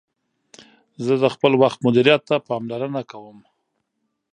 زه د خپل وخت مدیریت ته پاملرنه کوم.